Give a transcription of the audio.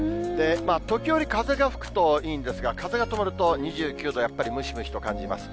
時折風が吹くといいんですが、風が止まると、２９度、やっぱりムシムシと感じます。